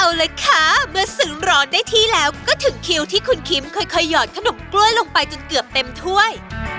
เอาเลยค่ะเมื่อซึ้งร้อนได้ที่แล้วก็ถึงคิวที่คุณคิมค่อยหยอดขนมกล้วยลงไปจนเกือบเต็มถ้วย